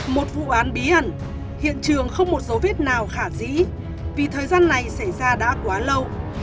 một vụ án bí ẩn hiện trường không một dấu vết nào khả dĩ vì thời gian này xảy ra đã quá lâu